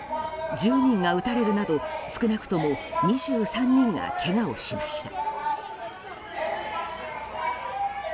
１０人が撃たれるなど少なくとも２３人がけがをしました。